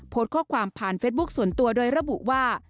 โพสต์ข้อความผ่านเฟซบุ๊คส่วนตัวโดยระบุว่า